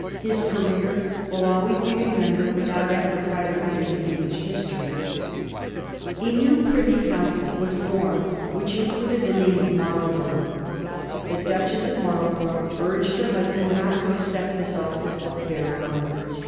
His career will always be re membered without eflfort by the readers of EngUsh histoiy. A new Privy Council was formed which included the name of Marlborough. The Duchess of Marl borough urged her husband not to accept this office of barren honour.